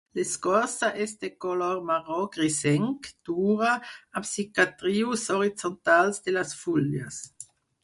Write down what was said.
L'escorça és de color marró grisenc, dura, amb cicatrius horitzontals de les fulles.